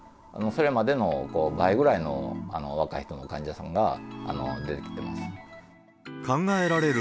これまでの倍ぐらいの若い人の患者さんが出てきてます。